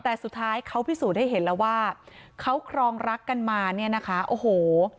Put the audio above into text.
แต่สุดท้ายเขาพิสูจน์ให้เห็นแล้วว่าเขาครองรักกันมาเนี่ยนะคะโอ้โห